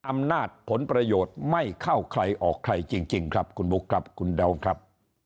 อำนาจผลประโยชน์ไม่เข้าใครออกใครจริงครับคุณบุ๊คครับคุณดาวครับ